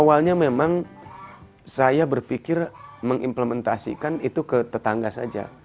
awalnya memang saya berpikir mengimplementasikan itu ke tetangga saja